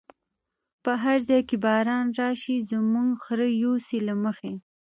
په هر ځای چی باران راشی، زمونږ خره یوسی له مخی